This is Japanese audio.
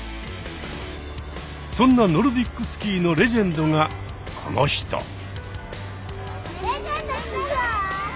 そんなノルディックスキーのレジェンドがこの人。